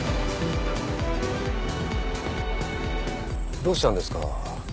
どうしたんですか？